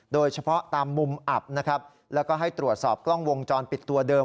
โดยเฉพาะตามมุมอับนะครับแล้วก็ให้ตรวจสอบกล้องวงจรปิดตัวเดิม